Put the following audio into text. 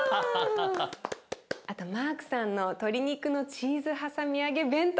あとマークさんの鶏肉のチーズはさみ揚げ弁当。